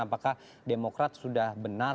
apakah demokrat sudah benar